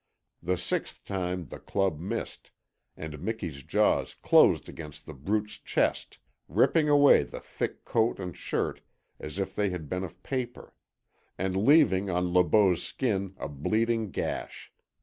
The sixth time the club missed, and Miki's jaws closed against The Brute's chest, ripping away the thick coat and shirt as if they had been of paper, and leaving on Le Beau's skin a bleeding gash.